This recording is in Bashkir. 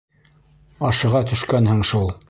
Ашыға төшкәнһең шул.